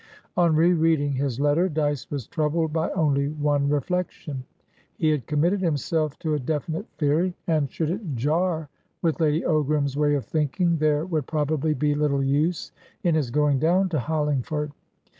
On re reading his letter, Dyce was troubled by only one reflection. He had committed himself to a definite theory, and, should it jar with Lady Ogram's way of thinking, there would probably be little use in his going down to Hollingford.